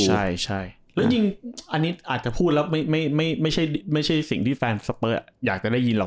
ใช่แล้วจริงอันนี้อาจจะพูดแล้วไม่ใช่สิ่งที่แฟนสเปอร์อยากจะได้ยินหรอก